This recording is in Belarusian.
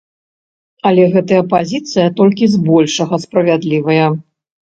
Але гэтая пазіцыя толькі збольшага справядлівая.